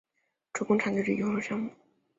主攻长距离游泳项目。